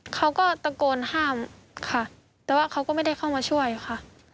เขาก็ตะโกนห้ามค่ะแต่ว่าเขาก็ไม่ได้เข้ามาช่วยค่ะ